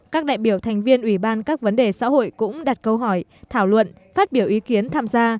các đại biểu thành viên ủy ban các vấn đề xã hội cũng đặt câu hỏi thảo luận phát biểu ý kiến tham gia